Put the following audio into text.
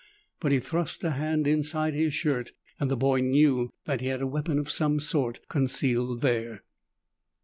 But he thrust a hand inside his shirt and the boy knew that he had a weapon of some sort concealed there.